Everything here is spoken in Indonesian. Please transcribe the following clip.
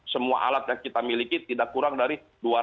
semua alat yang kita miliki tidak kurang dari dua ratus lima puluh tujuh